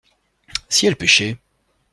Si elles pêchaient.